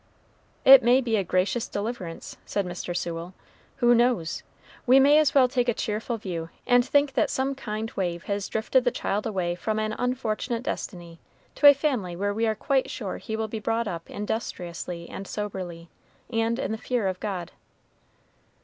"It may be a gracious deliverance," said Mr. Sewell "who knows? We may as well take a cheerful view, and think that some kind wave has drifted the child away from an unfortunate destiny to a family where we are quite sure he will be brought up industriously and soberly, and in the fear of God."